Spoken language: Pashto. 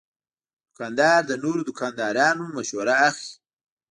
دوکاندار د نورو دوکاندارانو مشوره اخلي.